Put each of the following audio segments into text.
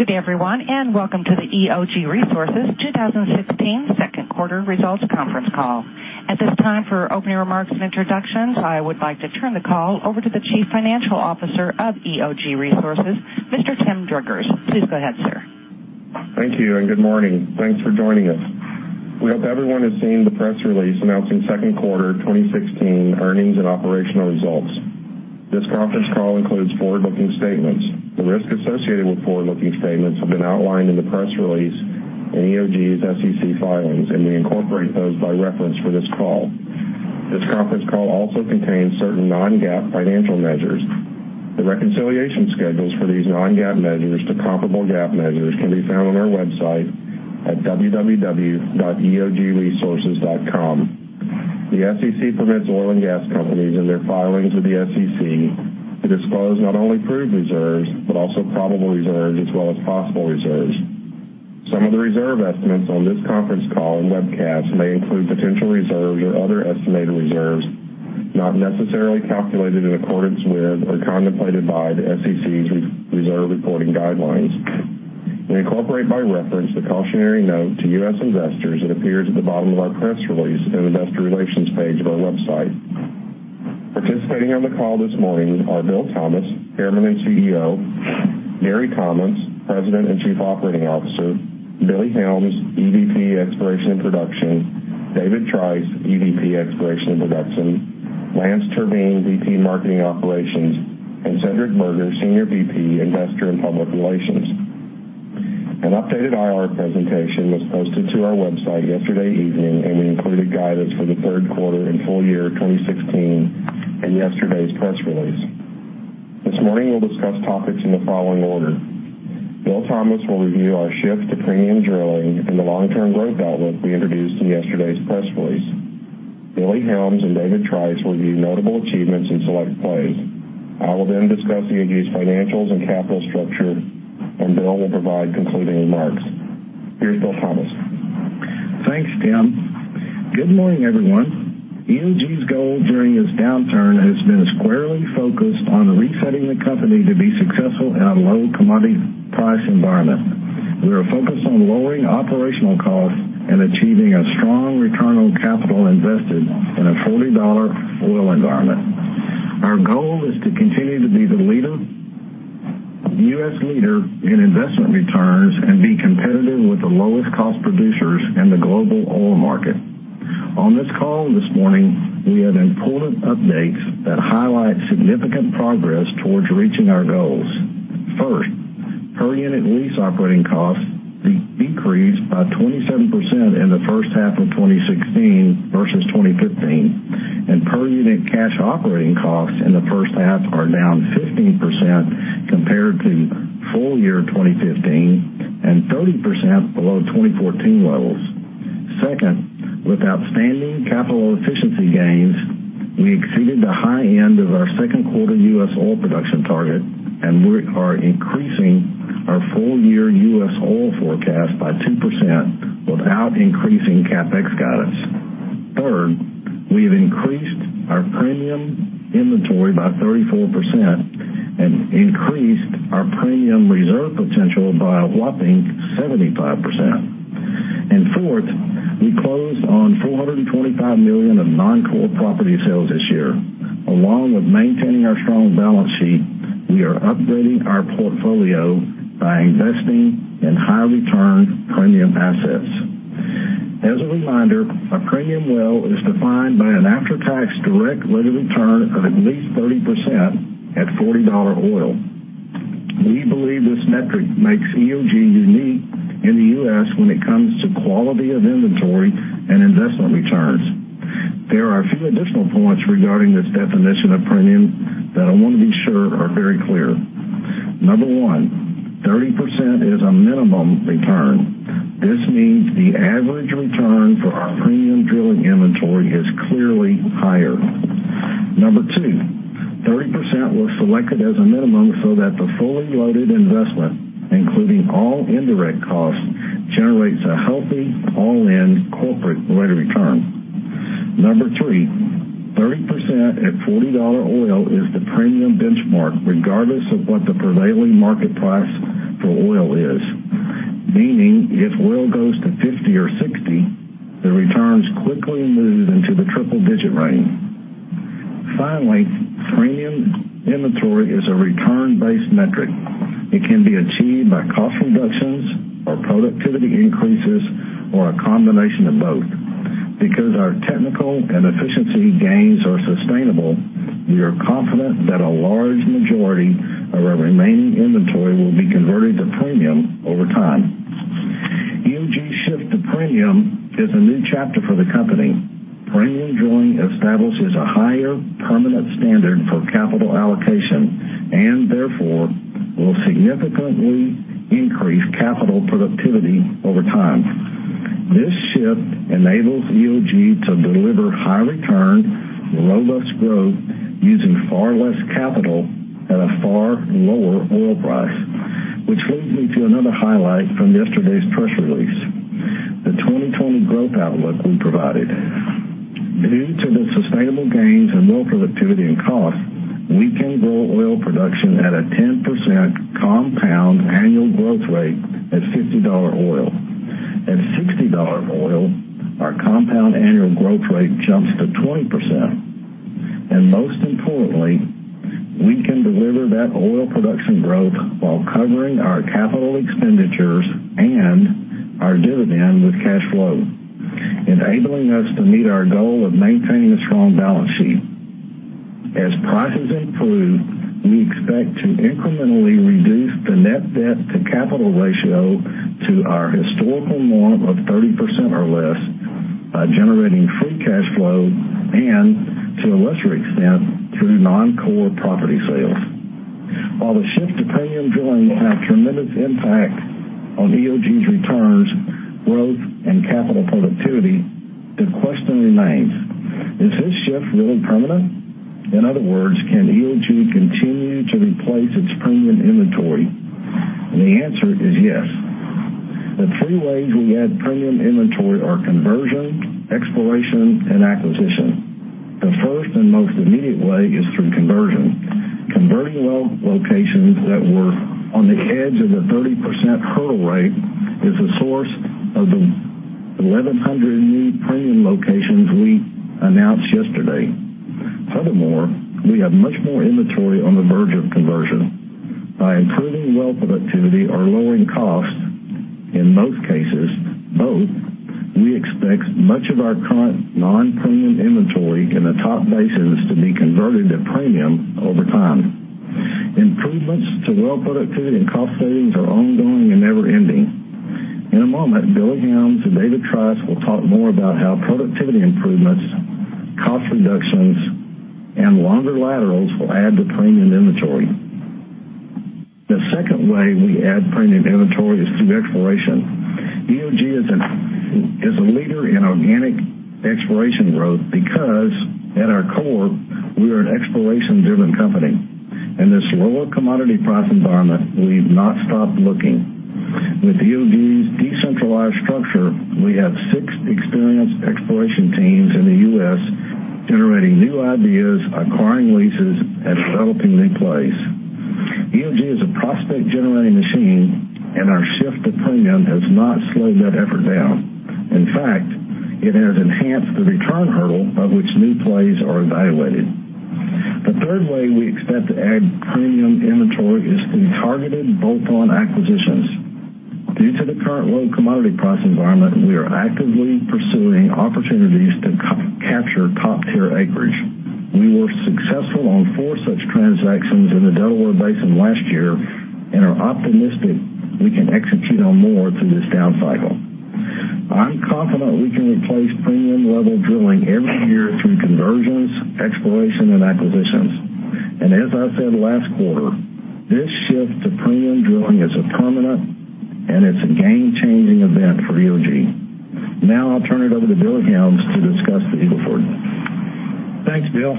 Good day, everyone, and welcome to the EOG Resources 2016 second quarter results conference call. At this time, for opening remarks and introductions, I would like to turn the call over to the Chief Financial Officer of EOG Resources, Mr. Tim Driggers. Please go ahead, sir. Thank you and good morning. Thanks for joining us. We hope everyone has seen the press release announcing second quarter 2016 earnings and operational results. This conference call includes forward-looking statements. The risks associated with forward-looking statements have been outlined in the press release in EOG's SEC filings, and we incorporate those by reference for this call. This conference call also contains certain non-GAAP financial measures. The reconciliation schedules for these non-GAAP measures to comparable GAAP measures can be found on our website at www.eogresources.com. The SEC permits oil and gas companies in their filings with the SEC to disclose not only proved reserves, but also probable reserves as well as possible reserves. Some of the reserve estimates on this conference call and webcast may include potential reserves or other estimated reserves, not necessarily calculated in accordance with or contemplated by the SEC's reserve reporting guidelines. We incorporate by reference the cautionary note to U.S. investors that appears at the bottom of our press release in the investor relations page of our website. Participating on the call this morning are Bill Thomas, Chairman and CEO; Gary Thomas, President and Chief Operating Officer; Billy Helms, EVP, Exploration and Production; David Trice, EVP, Exploration and Production; Lance Turbiville, VP, Marketing Operations; and Cedric Berger, Senior VP, Investor and Public Relations. An updated IR presentation was posted to our website yesterday evening. We included guidance for the third quarter and full year 2016 in yesterday's press release. This morning, we'll discuss topics in the following order. Bill Thomas will review our shift to premium drilling and the long-term growth outlook we introduced in yesterday's press release. Billy Helms and David Trice will review notable achievements in select plays. I will then discuss EOG's financials and capital structure. Bill will provide concluding remarks. Here's Bill Thomas. Thanks, Tim. Good morning, everyone. EOG's goal during this downturn has been squarely focused on resetting the company to be successful in a low commodity price environment. We are focused on lowering operational costs and achieving a strong return on capital invested in a $40 oil environment. Our goal is to continue to be the U.S. leader in investment returns and be competitive with the lowest cost producers in the global oil market. On this call this morning, we have important updates that highlight significant progress towards reaching our goals. First, per unit lease operating costs decreased by 27% in the first half of 2016 versus 2015, and per unit cash operating costs in the first half are down 15% compared to full year 2015 and 30% below 2014 levels. Second, with outstanding capital efficiency gains, we exceeded the high end of our second quarter U.S. oil production target and we are increasing our full year U.S. oil forecast by 2% without increasing CapEx guidance. Third, we have increased our premium inventory by 34% and increased our premium reserve potential by a whopping 75%. Fourth, we closed on $425 million of non-core property sales this year. Along with maintaining our strong balance sheet, we are upgrading our portfolio by investing in high return premium assets. As a reminder, a premium well is defined by an after-tax, direct weighted return of at least 30% at $40 oil. We believe this metric makes EOG unique in the U.S. when it comes to quality of inventory and investment returns. There are a few additional points regarding this definition of premium that I want to be sure are very clear. Number 1, 30% is a minimum return. This means the average return for our premium drilling inventory is clearly higher. Number 2, 30% was selected as a minimum so that the fully loaded investment, including all indirect costs, generates a healthy all-in corporate weighted return. Number 3, 30% at $40 oil is the premium benchmark regardless of what the prevailing market price for oil is, meaning if oil goes to 50 or 60, the returns quickly move into the triple digit range. Finally, premium inventory is a return-based metric. It can be achieved by cost reductions or productivity increases or a combination of both. Because our technical and efficiency gains are sustainable, we are confident that a large majority of our remaining inventory will be converted to premium over time. EOG's shift to premium is a new chapter for the company. Premium drilling establishes a higher permanent standard for capital allocation and therefore will significantly increase capital productivity over time. This shift enables EOG to deliver high return, robust growth using far less capital at a far lower oil price, which leads me to another highlight from yesterday's press release, the 2020 growth outlook we provided. Due to the sustainable gains in well productivity and cost, we can grow oil production at a 10% compound annual growth rate at $50 oil. At $60 oil, our compound annual growth rate jumps to 20%. Most importantly, we can deliver that oil production growth while covering our capital expenditures and our dividend with cash flow, enabling us to meet our goal of maintaining a strong balance sheet. As prices improve, we expect to incrementally reduce the net debt to capital ratio to our historical norm of 30% or less by generating free cash flow and, to a lesser extent, through non-core property sales. While the shift to premium drilling had a tremendous impact on EOG's returns, growth, and capital productivity, the question remains, is this shift really permanent? In other words, can EOG continue to replace its premium inventory? The answer is yes. The three ways we add premium inventory are conversion, exploration, and acquisition. The first and most immediate way is through conversion. Converting well locations that were on the edge of the 30% hurdle rate is the source of the 1,100 new premium locations we announced yesterday. Furthermore, we have much more inventory on the verge of conversion. By improving well productivity or lowering costs, in most cases both, we expect much of our current non-premium inventory in the top basins to be converted to premium over time. Improvements to well productivity and cost savings are ongoing and never ending. In a moment, Billy Helms and David Trice will talk more about how productivity improvements, cost reductions, and longer laterals will add to premium inventory. The second way we add premium inventory is through exploration. EOG is a leader in organic exploration growth because at our core, we are an exploration-driven company. In this lower commodity price environment, we've not stopped looking. With EOG's decentralized structure, we have six experienced exploration teams in the U.S. generating new ideas, acquiring leases, and developing new plays. EOG is a prospect-generating machine, our shift to premium has not slowed that effort down. In fact, it has enhanced the return hurdle by which new plays are evaluated. The third way we expect to add premium inventory is through targeted bolt-on acquisitions. Due to the current low commodity price environment, we are actively pursuing opportunities to capture top-tier acreage. We were successful on four such transactions in the Delaware Basin last year and are optimistic we can execute on more through this down cycle. I'm confident we can replace premium-level drilling every year through conversions, exploration, and acquisitions. As I said last quarter, this shift to premium drilling is a permanent and it's a game-changing event for EOG. Now I'll turn it over to Billy Helms to discuss the Eagle Ford. Thanks, Bill.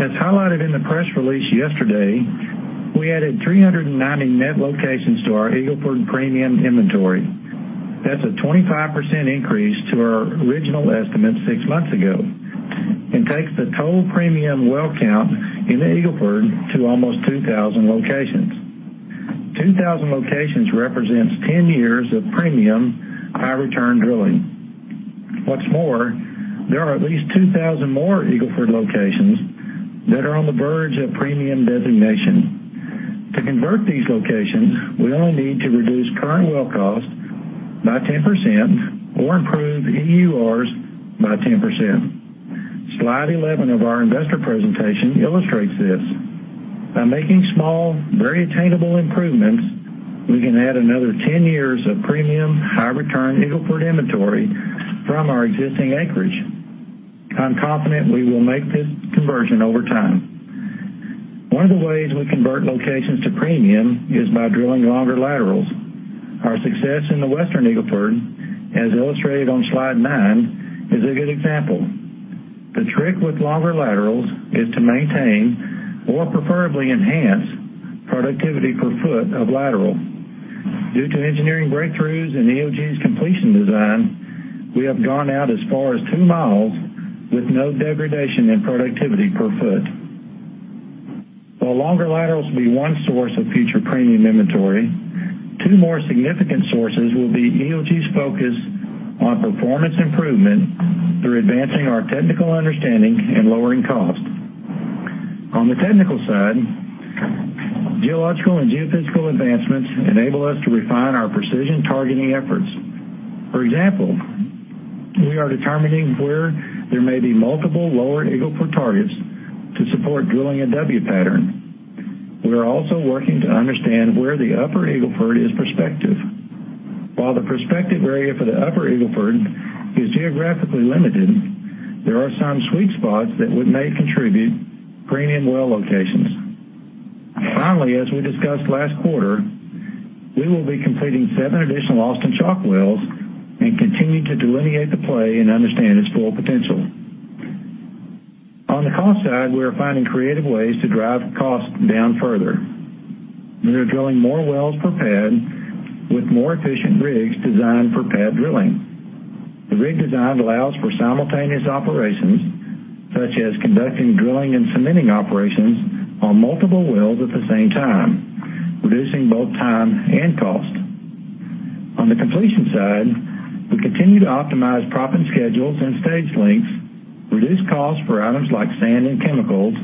As highlighted in the press release yesterday, we added 390 net locations to our Eagle Ford premium inventory. That's a 25% increase to our original estimate six months ago, takes the total premium well count in the Eagle Ford to almost 2,000 locations. 2,000 locations represents 10 years of premium high-return drilling. What's more, there are at least 2,000 more Eagle Ford locations that are on the verge of premium designation. To convert these locations, we only need to reduce current well cost by 10% or improve EURs by 10%. Slide 11 of our investor presentation illustrates this. By making small, very attainable improvements, we can add another 10 years of premium high-return Eagle Ford inventory from our existing acreage. One of the ways we convert locations to premium is by drilling longer laterals. Our success in the Western Eagle Ford, as illustrated on slide nine, is a good example. The trick with longer laterals is to maintain, or preferably enhance, productivity per foot of lateral. Due to engineering breakthroughs in EOG's completion design, we have gone out as far as two miles with no degradation in productivity per foot. While longer laterals will be one source of future premium inventory, two more significant sources will be EOG's focus on performance improvement through advancing our technical understanding and lowering cost. On the technical side, geological and geophysical advancements enable us to refine our precision targeting efforts. For example, we are determining where there may be multiple lower Eagle Ford targets to support drilling a W pattern. We are also working to understand where the upper Eagle Ford is prospective. While the prospective area for the upper Eagle Ford is geographically limited, there are some sweet spots that may contribute premium well locations. Finally, as we discussed last quarter, we will be completing seven additional Austin Chalk wells and continue to delineate the play and understand its full potential. On the cost side, we are finding creative ways to drive costs down further. We are drilling more wells per pad with more efficient rigs designed for pad drilling. The rig design allows for simultaneous operations, such as conducting drilling and cementing operations on multiple wells at the same time, reducing both time and cost. On the completion side, we continue to optimize proppant schedules and stage lengths, reduce costs for items like sand and chemicals,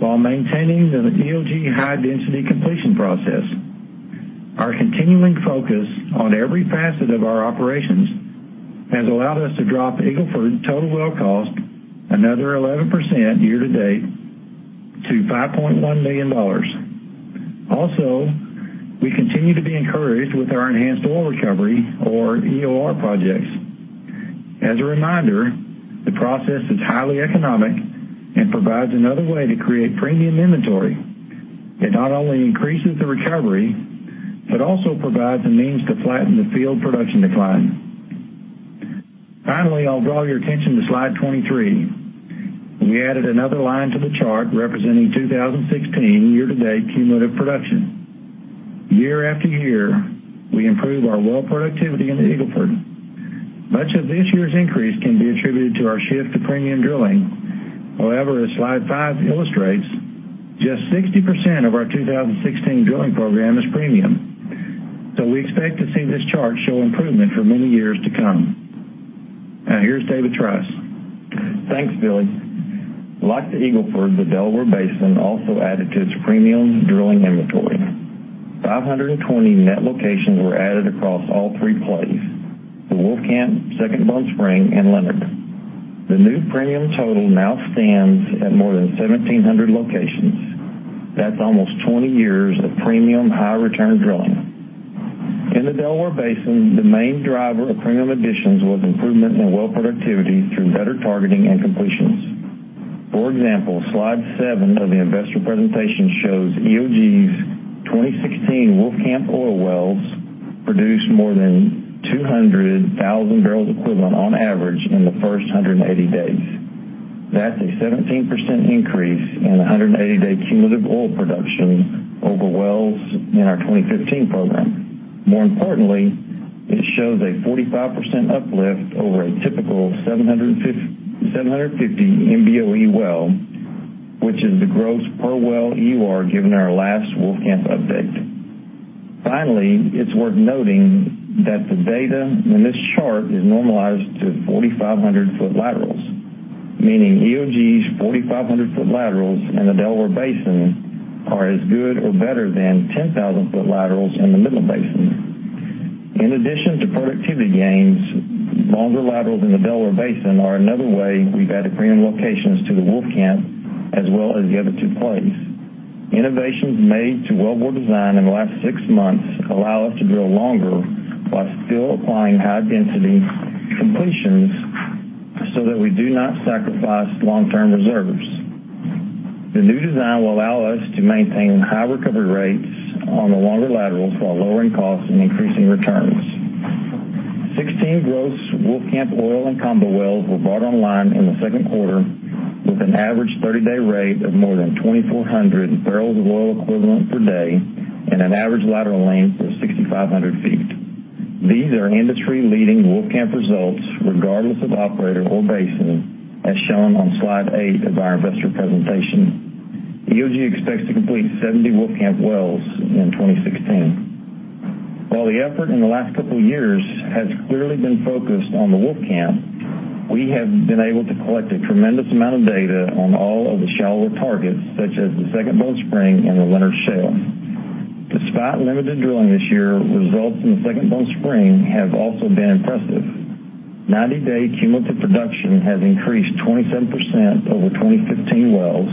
while maintaining the EOG high-density completion process. Our continuing focus on every facet of our operations has allowed us to drop Eagle Ford total well cost another 11% year-to-date to $5.1 million. Also, we continue to be encouraged with our enhanced oil recovery, or EOR projects. As a reminder, the process is highly economic and provides another way to create premium inventory. It not only increases the recovery, but also provides a means to flatten the field production decline. Finally, I'll draw your attention to slide 23. We added another line to the chart representing 2016 year-to-date cumulative production. Year after year, we improve our well productivity in the Eagle Ford. Much of this year's increase can be attributed to our shift to premium drilling. However, as slide five illustrates, just 60% of our 2016 drilling program is premium. We expect to see this chart show improvement for many years to come. Now here's David Trice. Thanks, Billy. Like the Eagle Ford, the Delaware Basin also added to its premium drilling inventory. 520 net locations were added across all three plays: the Wolfcamp, Second Bone Spring, and Leonard. The new premium total now stands at more than 1,700 locations. That's almost 20 years of premium high-return drilling. In the Delaware Basin, the main driver of premium additions was improvement in well productivity through better targeting and completions. For example, slide seven of the investor presentation shows EOG's 2016 Wolfcamp oil wells produced more than 200,000 barrels equivalent on average in the first 180 days. That's a 17% increase in 180-day cumulative oil production over wells in our 2015 program. More importantly, it shows a 45% uplift over a typical 750 MBOE well, which is the gross per well EUR given our last Wolfcamp update. Finally, it's worth noting that the data in this chart is normalized to 4,500-foot laterals, meaning EOG's 4,500-foot laterals in the Delaware Basin are as good or better than 10,000-foot laterals in the Midland Basin. In addition to productivity gains, longer laterals in the Delaware Basin are another way we've added premium locations to the Wolfcamp, as well as the other two plays. Innovations made to well bore design in the last six months allow us to drill longer while still applying high-density completions so that we do not sacrifice long-term reserves. The new design will allow us to maintain high recovery rates on the longer laterals while lowering costs and increasing returns. 16 gross Wolfcamp oil and combo wells were brought online in the second quarter with an average 30-day rate of more than 2,400 barrels of oil equivalent per day and an average lateral length of 6,500 feet. These are industry-leading Wolfcamp results regardless of operator or basin, as shown on slide eight of our investor presentation. EOG expects to complete 70 Wolfcamp wells in 2016. While the effort in the last couple years has clearly been focused on the Wolfcamp, we have been able to collect a tremendous amount of data on all of the shallower targets, such as the Second Bone Spring and the Leonard Shale. Despite limited drilling this year, results in the Second Bone Spring have also been impressive. 90-day cumulative production has increased 27% over 2015 wells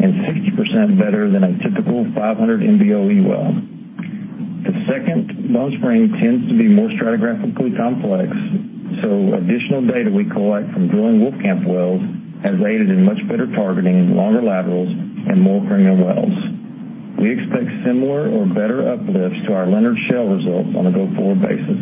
and 60% better than a typical 500 MBOE well. The Second Bone Spring tends to be more stratigraphically complex, so additional data we collect from drilling Wolfcamp wells has aided in much better targeting in longer laterals and more premium wells. We expect similar or better uplifts to our Leonard Shale results on a go-forward basis.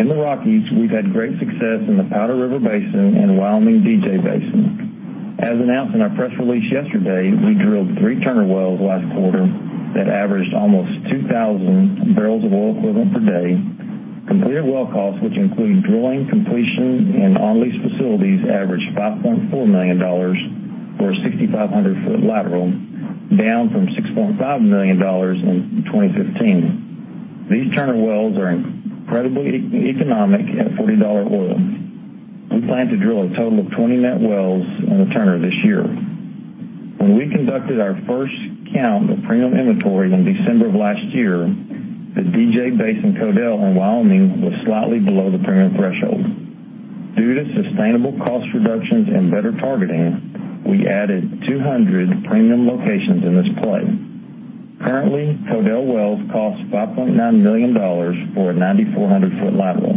In the Rockies, we've had great success in the Powder River Basin and Wyoming DJ Basin. As announced in our press release yesterday, we drilled three Turner wells last quarter that averaged almost 2,000 barrels of oil equivalent per day. Completed well costs, which include drilling, completion, and on-lease facilities, averaged $5.4 million for a 6,500-foot lateral, down from $6.5 million in 2015. These Turner wells are incredibly economic at $40 oil. We plan to drill a total of 20 net wells in the Turner this year. When we conducted our first count of premium inventory in December of last year, the DJ Basin Codell in Wyoming was slightly below the premium threshold. Due to sustainable cost reductions and better targeting, we added 200 premium locations in this play. Currently, Codell wells cost $5.9 million for a 9,400-foot lateral.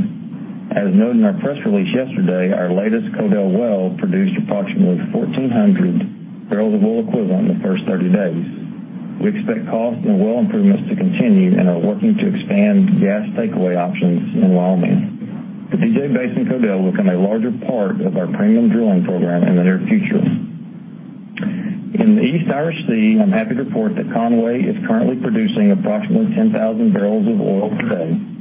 As noted in our press release yesterday, our latest Codell well produced approximately 1,400 barrels of oil equivalent in the first 30 days. We expect costs and well improvements to continue and are working to expand gas takeaway options in Wyoming. The DJ Basin Codell will become a larger part of our premium drilling program in the near future. In the East Irish Sea, I'm happy to report that Conway is currently producing approximately 10,000 barrels of oil per day.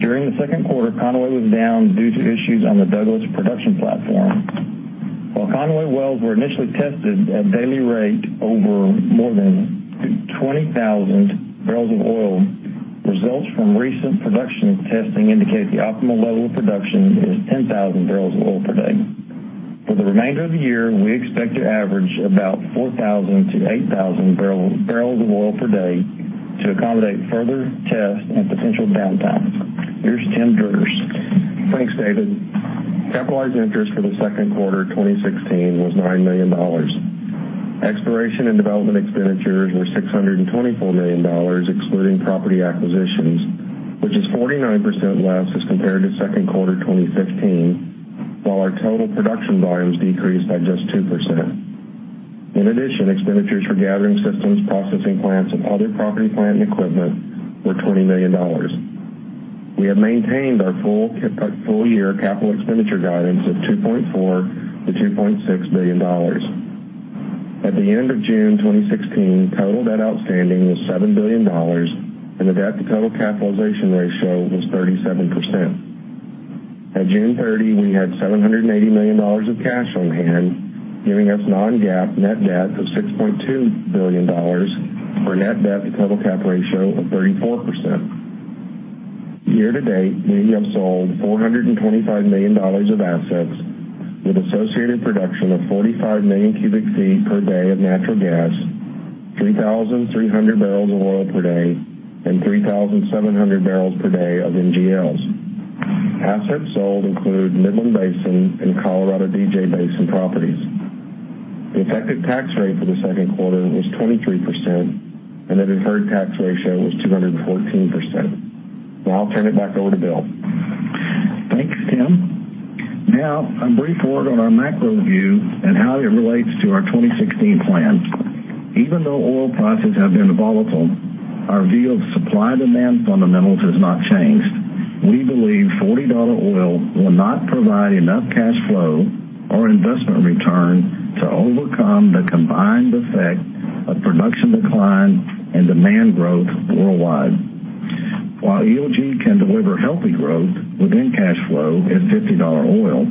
During the second quarter, Conway was down due to issues on the Douglas production platform. While Conway wells were initially tested at a daily rate over more than 20,000 barrels of oil, results from recent production testing indicate the optimal level of production is 10,000 barrels of oil per day. For the remainder of the year, we expect to average about 4,000 to 8,000 barrels of oil per day to accommodate further tests and potential downtime. Here's Tim Driggers. Thanks, David. Capitalized interest for the second quarter 2016 was $9 million. Exploration and development expenditures were $624 million, excluding property acquisitions, which is 49% less as compared to second quarter 2015, while our total production volumes decreased by just 2%. In addition, expenditures for gathering systems, processing plants, and other property, plant, and equipment were $20 million. We have maintained our full year capital expenditure guidance of $2.4 billion-$2.6 billion. At the end of June 2016, total debt outstanding was $7 billion and the debt-to-total capitalization ratio was 37%. At June 30, we had $780 million of cash on hand, giving us non-GAAP net debt of $6.2 billion or net debt to total cap ratio of 34%. Year to date, we have sold $425 million of assets with associated production of 45 million cubic feet per day of natural gas, 3,300 barrels of oil per day, and 3,700 barrels per day of NGLs. Assets sold include Midland Basin and Colorado DJ Basin properties. The effective tax rate for the second quarter was 23%, and the deferred tax ratio was 214%. Now I'll turn it back over to Bill. Thanks, Tim. Now a brief word on our macro view and how it relates to our 2016 plan. Even though oil prices have been volatile, our view of supply-demand fundamentals has not changed. We believe $40 oil will not provide enough cash flow or investment return to overcome the combined effect of production decline and demand growth worldwide. While EOG can deliver healthy growth within cash flow at $50 oil,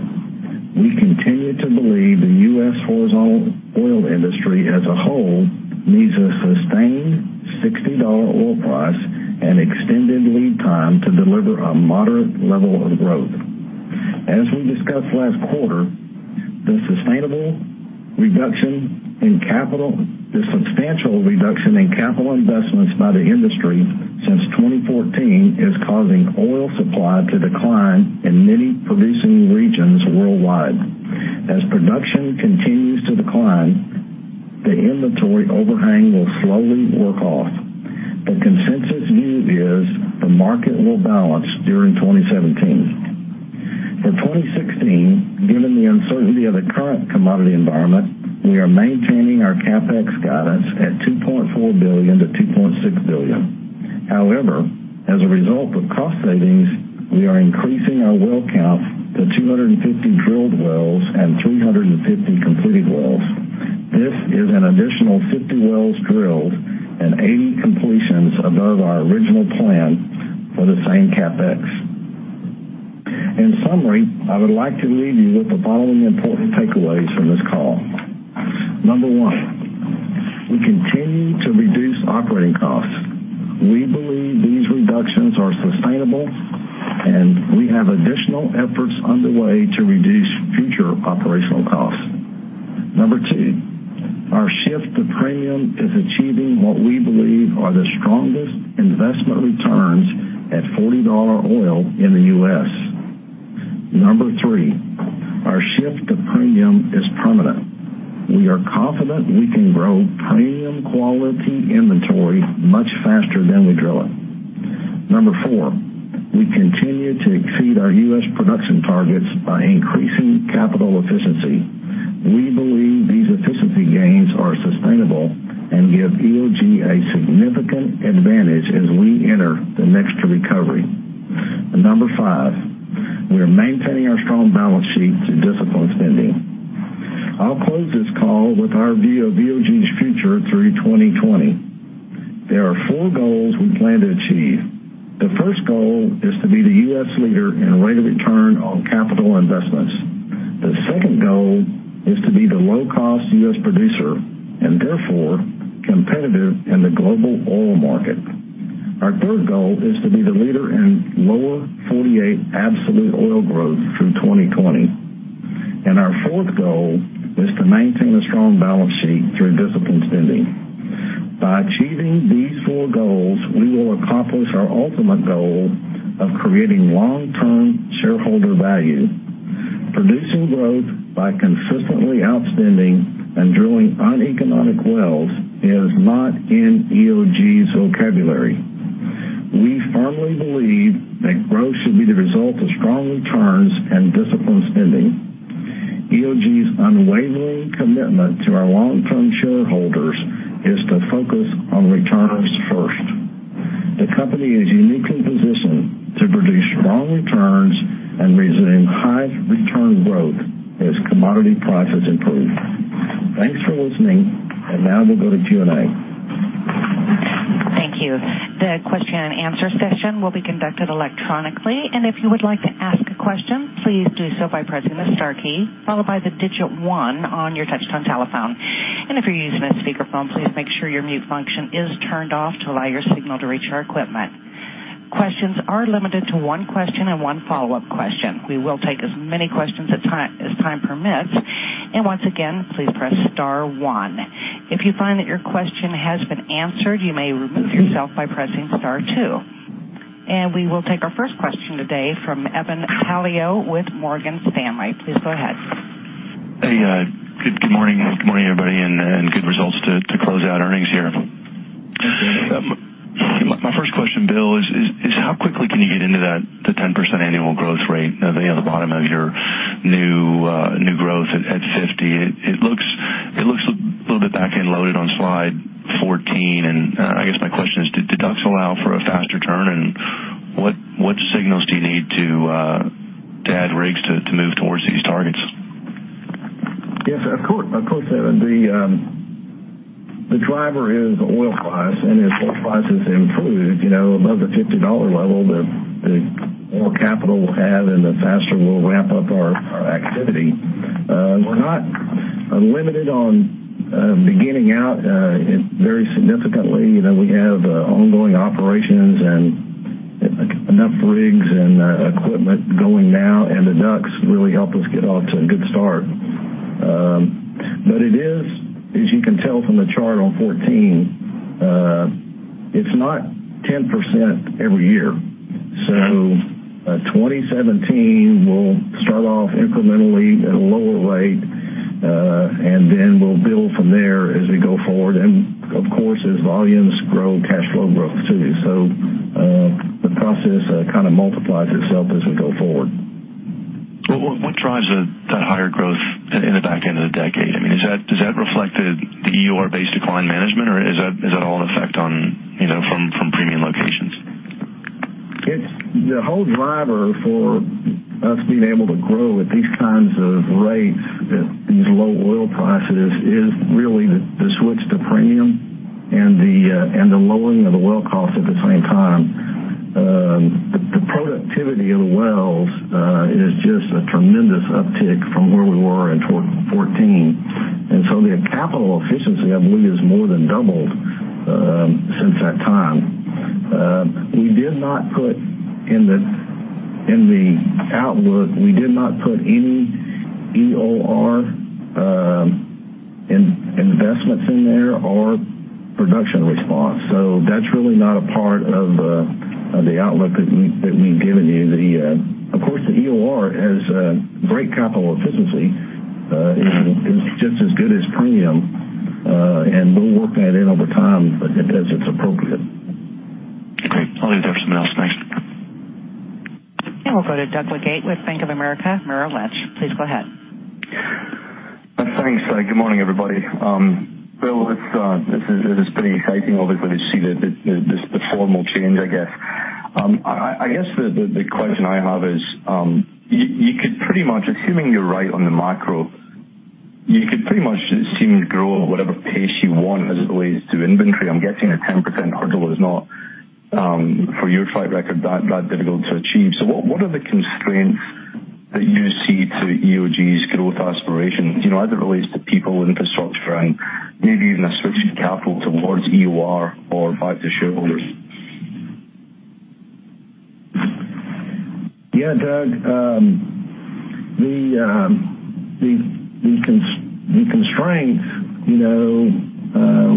we continue to believe the U.S. horizontal oil industry as a whole needs a sustained $60 oil price and extended lead time to deliver a moderate level of growth. As we discussed last quarter, the substantial reduction in capital investments by the industry since 2014 is causing oil supply to decline in many producing regions worldwide. As production continues to decline, the inventory overhang will slowly work off. The consensus view is the market will balance during 2017. For 2016, given the uncertainty of the current commodity environment, we are maintaining our CapEx guidance at $2.4 billion-$2.6 billion. However, as a result of cost savings, we are increasing our well count to 250 drilled wells and 350 completed wells. This is an additional 50 wells drilled and 80 completions above our original plan for the same CapEx. In summary, I would like to leave you with the following important takeaways from this call. Number 1, we continue to reduce operating costs. We believe these reductions are sustainable, and we have additional efforts underway to reduce future operational costs. Number 2, our shift to premium is achieving what we believe are the strongest investment returns at $40 oil in the U.S. Number 3, our shift to premium is permanent. We are confident we can grow premium quality inventory much faster than we drill it. Number 4, we continue to exceed our U.S. production targets by increasing capital efficiency. We believe these efficiency gains are sustainable and give EOG a significant advantage as we enter the next recovery. Number 5, we are maintaining our strong balance sheet through disciplined spending. I'll close this call with our view of EOG's future through 2020. There are four goals we plan to achieve. The first goal is to be the U.S. leader in rate of return on capital investments. The second goal is to be the low-cost U.S. producer and therefore competitive in the global oil market. Our third goal is to be the leader in Lower 48 absolute oil growth through 2020. Our fourth goal is to maintain a strong balance sheet through disciplined spending. By achieving these four goals, we will accomplish our ultimate goal of creating long-term shareholder value. Producing growth by consistently outspending and drilling uneconomic wells is not in EOG's vocabulary. We firmly believe that growth should be the result of strong returns and disciplined spending. EOG's unwavering commitment to our long-term shareholders is to focus on returns first. The company is uniquely positioned to produce strong returns and resume high return growth as commodity prices improve. Thanks for listening. Now we'll go to Q&A. Thank you. The question and answer session will be conducted electronically. If you would like to ask a question, please do so by pressing the star key, followed by the digit 1 on your touchtone telephone. If you're using a speakerphone, please make sure your mute function is turned off to allow your signal to reach our equipment. Questions are limited to one question and one follow-up question. We will take as many questions as time permits. Once again, please press star one. If you find that your question has been answered, you may remove yourself by pressing star two. We will take our first question today from Evan Calio with Morgan Stanley. Please go ahead. Hey, good morning. Good morning, everybody. Good results to close out earnings here. Thank you. My first question, Bill, is how quickly can you get into the 10% annual growth rate at the bottom of your new growth at $50? It looks a little bit back-end loaded on slide 14. I guess my question is, did DUCs allow for a faster turn, and what signals do you need to add rigs to move towards these targets? Yes, of course, Evan. The driver is oil price. As oil prices improve above the $50 level, the more capital we'll have and the faster we'll ramp up our activity. We're not limited on beginning out very significantly. We have ongoing operations and enough rigs and equipment going now, and the DUCs really help us get off to a good start. As you can tell from the chart on 14, it's not 10% every year. 2017 will start off incrementally at a lower rate, and then we'll build from there as we go forward. Of course, as volumes grow, cash flow grows, too. The process kind of multiplies itself as we go forward. What drives that higher growth in the back end of the decade? I mean, does that reflect the EOR-based decline management, or is that all an effect from premium locations? The whole driver for us being able to grow at these kinds of rates at these low oil prices is really the switch to premium and the lowering of the well cost at the same time. The productivity of the wells is just a tremendous uptick from where we were in 2014. The capital efficiency, I believe, has more than doubled since that time. In the outlook, we did not put any EOR investments in there or production response. That's really not a part of the outlook that we've given you. Of course, the EOR has great capital efficiency. It's just as good as premium, and we'll work that in over time, but as it's appropriate. Great. I'll leave that for someone else. Thanks. We'll go to Doug Leggate with Bank of America Merrill Lynch. Please go ahead. Thanks. Good morning, everybody. Bill, this is pretty exciting, obviously, to see the formal change, I guess. I guess the question I have is, assuming you're right on the macro, you could pretty much seem to grow at whatever pace you want as it relates to inventory. I'm guessing a 10% hurdle is not, for your track record, that difficult to achieve. What are the constraints that you see to EOG's growth aspirations, as it relates to people, infrastructure, and maybe even a switch in capital towards EOR or back to shareholders? Yeah, Doug. The constraints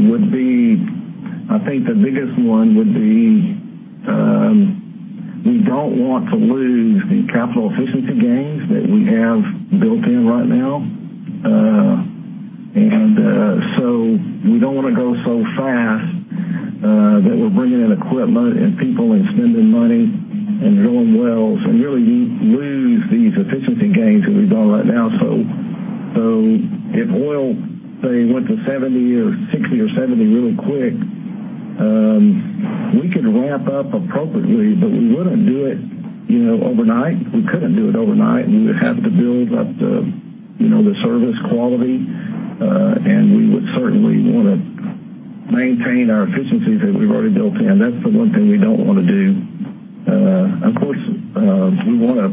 would be, I think the biggest one would be we don't want to lose the capital efficiency gains that we have built in right now. We don't want to go so fast that we're bringing in equipment and people and spending money and drilling wells and really lose these efficiency gains that we've got right now. If oil, say, went to 60 or 70 really quick, we could ramp up appropriately, but we wouldn't do it overnight. We couldn't do it overnight, and we would have to build up the service quality, and we would certainly want to maintain our efficiencies that we've already built in. That's the one thing we don't want to do. Of course, we want to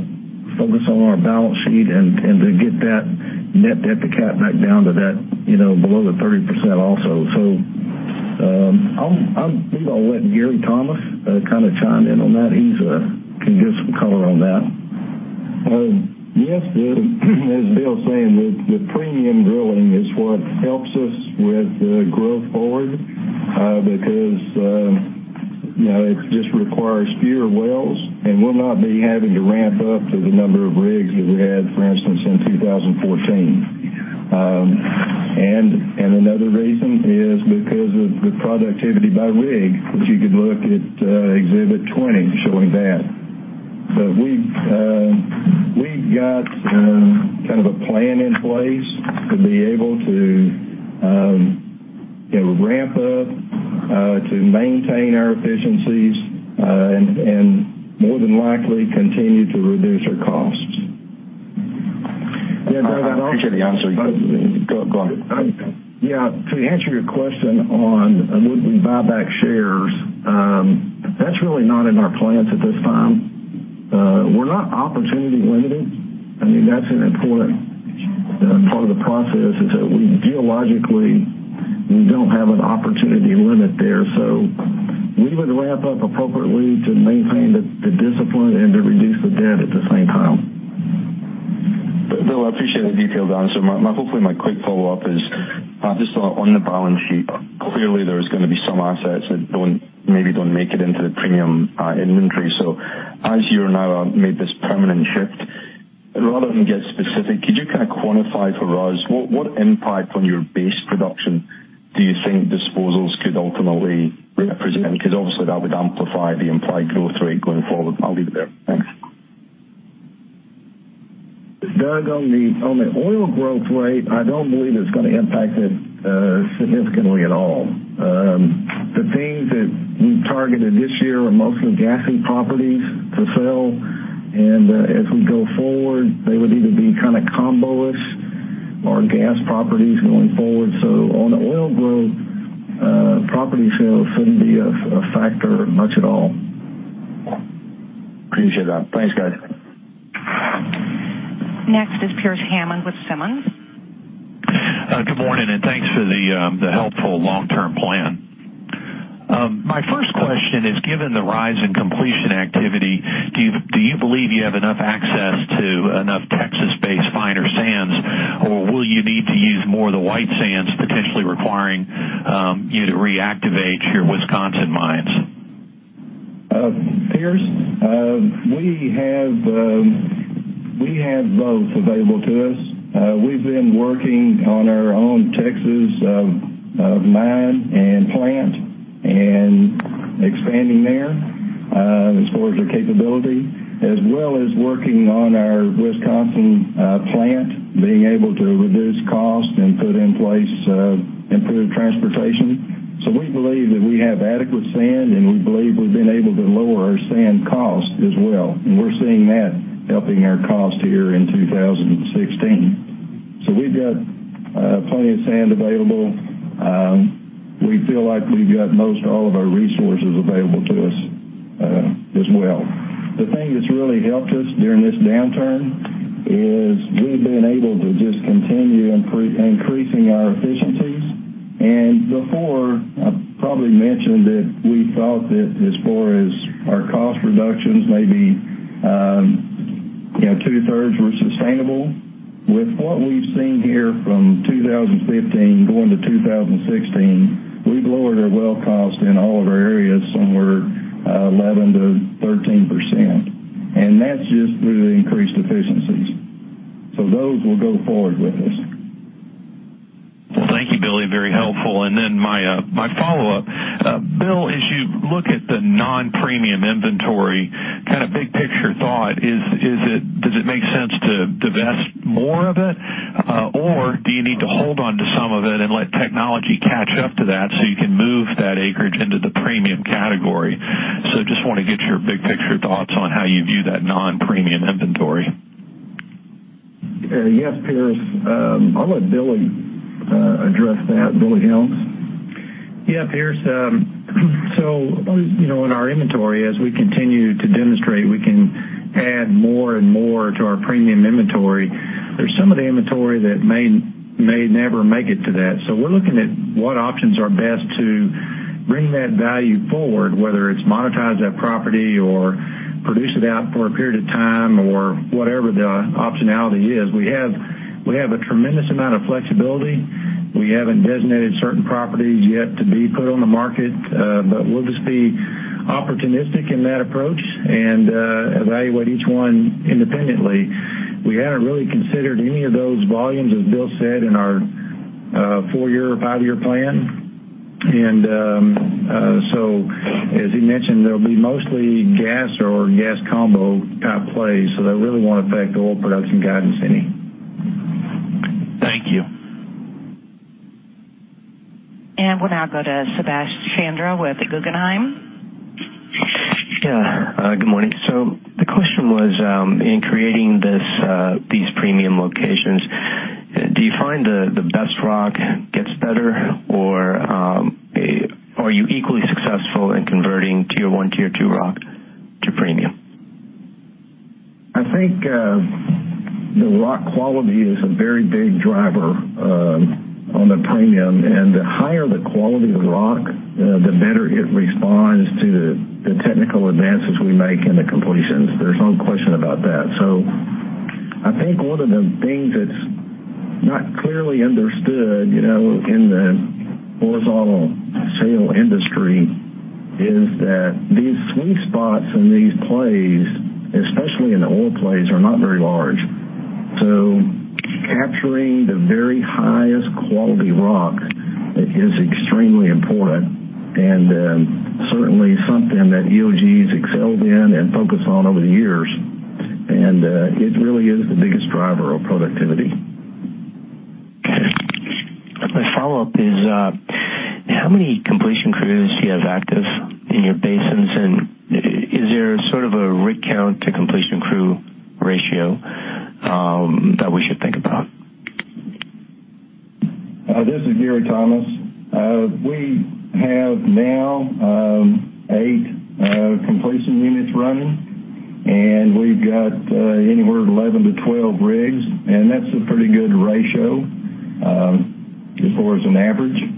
focus on our balance sheet and to get that net debt to cap back down to below the 30% also. I'm going to let Gary Thomas chime in on that. He can give some color on that. Yes, as Bill's saying, the premium drilling is what helps us with the growth forward because it just requires fewer wells, and we'll not be having to ramp up to the number of rigs that we had, for instance, in 2014. Another reason is because of the productivity by rig, which you could look at Exhibit 20 showing that. We've got a plan in place to be able to ramp up, to maintain our efficiencies, and more than likely continue to reduce our costs. Yeah, Doug, I appreciate the answer. Go on. Yeah. To answer your question on would we buy back shares, that's really not in our plans at this time. We're not opportunity limited. That's an important part of the process, is that we geologically don't have an opportunity limit there. We would ramp up appropriately to maintain the discipline and to reduce the debt at the same time. Bill, I appreciate the detailed answer. Hopefully, my quick follow-up is, I just thought on the balance sheet, clearly there's going to be some assets that maybe don't make it into the premium inventory. As you've now made this permanent shift, rather than get specific, could you kind of quantify for us what impact on your base production do you think disposals could ultimately represent? Obviously that would amplify the implied growth rate going forward. I'll leave it there. Thanks. Doug, on the oil growth rate, I don't believe it's going to impact it significantly at all. The things that we've targeted this year are mostly gassy properties to sell, and as we go forward, they would either be kind of combo-ish or gas properties going forward. On the oil growth, property sales shouldn't be a factor much at all. Appreciate that. Thanks, guys. Next is Pearce Hammond with Simmons. Good morning, and thanks for the helpful long-term plan. My first question is, given the rise in completion activity, do you believe you have enough access to enough Texas-based frac sands, or will you need to use more of the white sands, potentially requiring you to reactivate your Wisconsin mines? Pearce, we have both available to us. We've been working on our own Texas mine and plant and expanding there as far as our capability, as well as working on our Wisconsin plant, being able to reduce cost and put in place improved transportation. We believe that we have adequate sand, and we believe we've been able to lower our sand cost as well. And we're seeing that helping our cost here in 2016. We've got plenty of sand available. We feel like we've got most all of our resources available to us as well. The thing that's really helped us during this downturn is we've been able to just continue increasing our efficiencies. Before, I probably mentioned that we thought that as far as our cost reductions maybe two-thirds were sustainable. With what we've seen here from 2015 going to 2016, we've lowered our well cost in all of our areas somewhere 11%-13%, and that's just through the increased efficiencies. Those will go forward with us. Thank you, Gary. Very helpful. Then my follow-up. Bill, as you look at the non-premium inventory, kind of big picture thought, does it make sense to divest more of it, or do you need to hold onto some of it and let technology catch up to that so you can move that acreage into the premium category? Just want to get your big picture thoughts on how you view that non-premium inventory. Pearce. I'll let Billy address that. Billy Helms? Yeah, Pearce. In our inventory, as we continue to demonstrate, we can add more and more to our premium inventory. There's some of the inventory that may never make it to that. We're looking at what options are best to bring that value forward, whether it's monetize that property or produce it out for a period of time, or whatever the optionality is. We have a tremendous amount of flexibility. We haven't designated certain properties yet to be put on the market. We'll just be opportunistic in that approach and evaluate each one independently. We haven't really considered any of those volumes, as Bill said, in our four-year or five-year plan. As he mentioned, they'll be mostly gas or gas combo type plays, so that really won't affect the oil production guidance any. Thank you. We'll now go to Subash Chandra with Guggenheim. Yeah. Good morning. The question was, in creating these premium locations, do you find the best rock gets better, or are you equally successful in converting tier 1, tier 2 rock to premium? I think the rock quality is a very big driver on the premium, and the higher the quality of the rock, the better it responds to the technical advances we make in the completions. There's no question about that. I think one of the things that's not clearly understood in the horizontal shale industry is that these sweet spots in these plays, especially in the oil plays, are not very large. Capturing the very highest quality rock is extremely important and certainly something that EOG's excelled in and focused on over the years. It really is the biggest driver of productivity. Okay. My follow-up is, how many completion crews do you have active in your basins? Is there a rig count to completion crew ratio that we should think about? This is Gary Thomas. We have now eight completion units running, and we've got anywhere 11 to 12 rigs, and that's a pretty good ratio as far as an average.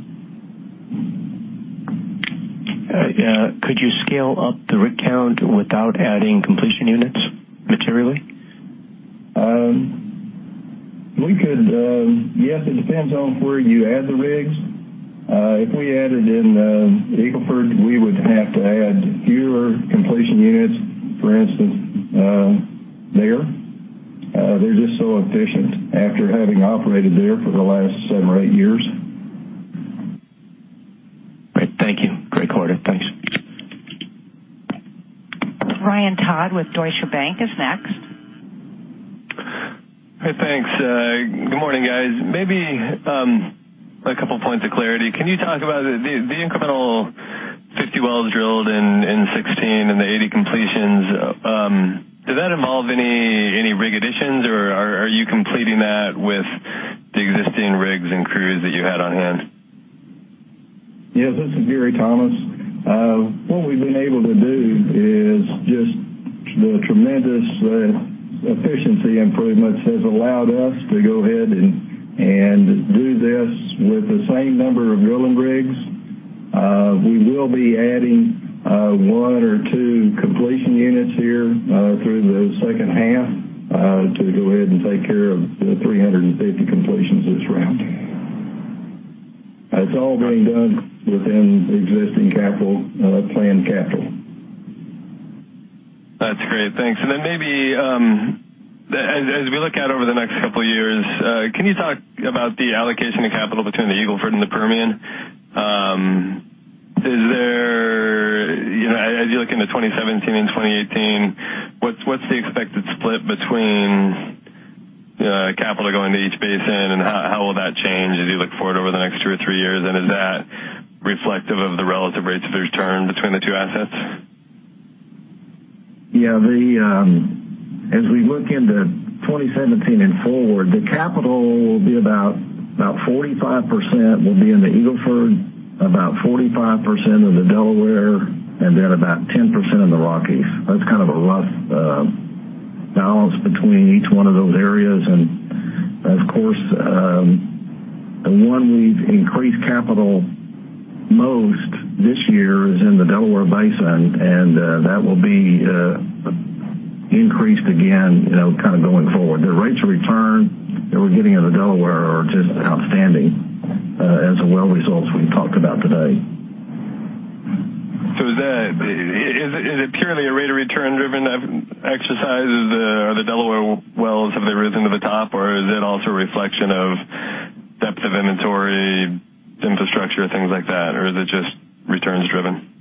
Could you scale up the rig count without adding completion units materially? We could. Yes, it depends on where you add the rigs. If we added in Eagle Ford, we would have to add fewer completion units, for instance, there. They're just so efficient after having operated there for the last seven or eight years. Great. Thank you. Greg, Gary, thanks. Ryan Todd with Deutsche Bank is next. Hey, thanks. Good morning, guys. Maybe a couple points of clarity. Can you talk about the incremental 50 wells drilled in 2016 and the 80 completions? Did that involve any rig additions, or are you completing that with the existing rigs and crews that you had on hand? Yes, this is Gary Thomas. What we've been able to do is just the tremendous efficiency improvements has allowed us to go ahead and do this with the same number of drilling rigs. We will be adding one or two completion units here through the second half to go ahead and take care of the 350 completions this round. It's all being done within existing capital, planned capital. That's great. Thanks. Then maybe as we look out over the next couple of years, can you talk about the allocation of capital between the Eagle Ford and the Permian? As you look into 2017 and 2018, what's the expected split between capital going to each basin, and how will that change as you look forward over the next two or three years? Is that reflective of the relative rates of return between the two assets? Yeah. As we look into 2017 and forward, the capital will be about 45% will be in the Eagle Ford, about 45% of the Delaware, then about 10% in the Rockies. That's kind of a rough balance between each one of those areas. Of course, the one we've increased capital most this year is in the Delaware basin, and that will be increased again going forward. The rates of return that we're getting in the Delaware are just outstanding as the well results we've talked about today. Is it purely a rate of return driven exercise? Are the Delaware wells, have they risen to the top? Is it also a reflection of depth of inventory, infrastructure, things like that? Is it just returns driven?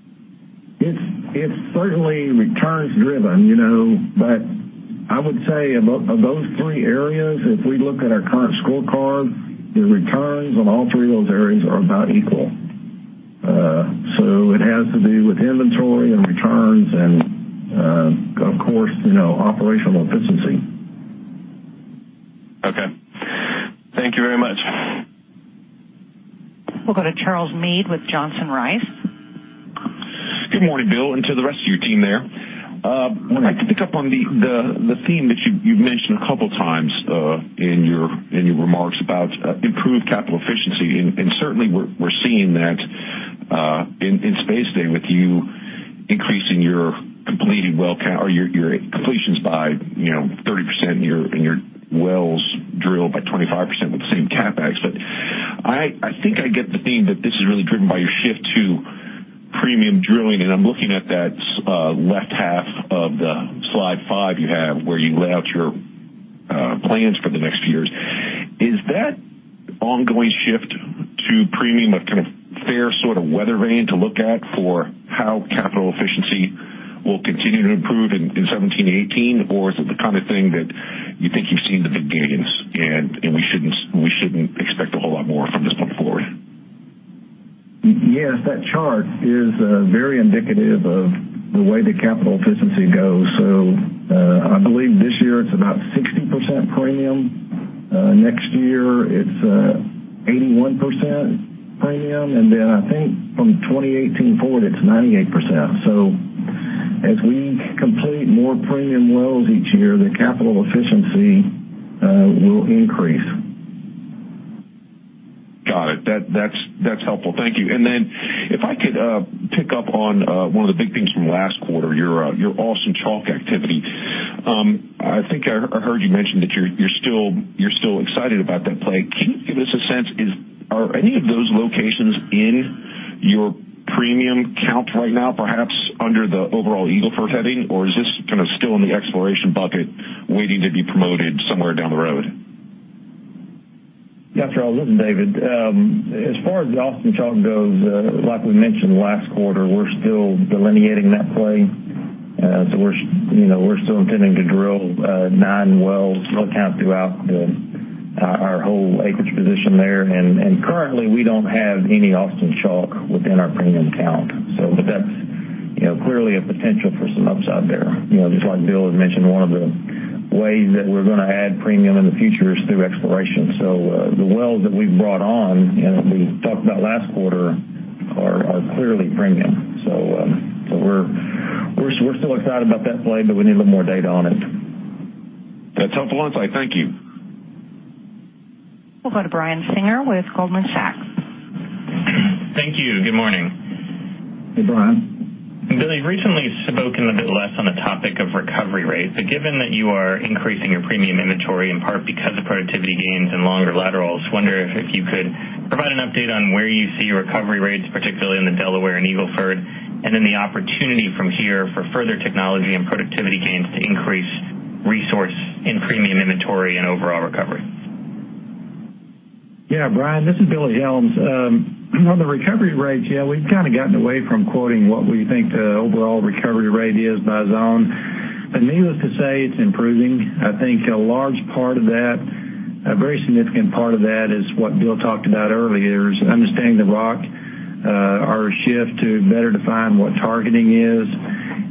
It's certainly returns driven. I would say of those three areas, if we look at our current scorecard, the returns on all three of those areas are about equal. It has to do with inventory and returns and, of course, operational efficiency. Okay. Thank you very much. We'll go to Charles Mead with Johnson Rice. Good morning, Bill, and to the rest of your team there. I'd like to pick up on the theme that you've mentioned a couple of times in your remarks about improved capital efficiency. Certainly, we're seeing that in space today with you increasing your completed well count or your completions by 30% and your wells drilled by 25% with the same CapEx. I think I get the theme that this is really driven by your shift to premium drilling, and I'm looking at that left half of the slide five you have where you lay out your plans for the next few years. Is that ongoing shift to premium a kind of fair sort of weather vane to look at for how capital efficiency will continue to improve in 2017, 2018, or is it the kind of thing that you think you've seen the big gains, and we shouldn't expect a whole lot more from this point forward? Yes, that chart is very indicative of the way the capital efficiency goes. I believe this year it's about 60% premium. Next year it's 81% premium, and then I think from 2018 forward, it's 98%. As we complete more premium wells each year, the capital efficiency will increase. Got it. That's helpful. Thank you. If I could pick up on one of the big things from last quarter, your Austin Chalk activity. I think I heard you mentioned that you're still excited about that play. Can you give us a sense, are any of those locations in your premium count right now, perhaps under the overall Eagle Ford heading? Or is this still in the exploration bucket waiting to be promoted somewhere down the road? Yeah. Sure. Listen, David. As far as the Austin Chalk goes, like we mentioned last quarter, we're still delineating that play. We're still intending to drill nine wells throughout our whole acreage position there. Currently, we don't have any Austin Chalk within our premium count. That's clearly a potential for some upside there. Just like Bill had mentioned, one of the ways that we're going to add premium in the future is through exploration. The wells that we've brought on, and that we talked about last quarter, are clearly premium. We're still excited about that play, but we need a little more data on it. That's helpful insight. Thank you. We'll go to Brian Singer with Goldman Sachs. Thank you. Good morning. Hey, Brian. Bill, you've recently spoken a bit less on the topic of recovery rates, given that you are increasing your premium inventory, in part because of productivity gains and longer laterals, wonder if you could provide an update on where you see recovery rates, particularly in the Delaware and Eagle Ford, and then the opportunity from here for further technology and productivity gains to increase resource in premium inventory and overall recovery? Yeah, Brian, this is Bill Helms. On the recovery rates, yeah, we've kind of gotten away from quoting what we think the overall recovery rate is by zone. Needless to say, it's improving. I think a large part of that, a very significant part of that, is what Bill talked about earlier, is understanding the rock. Our shift to better define what targeting is,